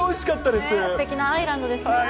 すてきな愛ランドですね。